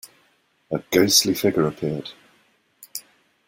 A ghostly figure appeared.